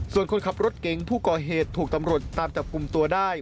ส่วนคนขับรถเก๋งผู้ก่อเหตุถูกตำรวจตามจับกลุ่มตัวได้